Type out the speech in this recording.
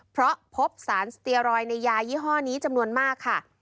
เพราะพบสารสเตียรอยด์ในยายี่ห้อนี้จำนวนมากค่ะ